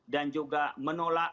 dan juga menolak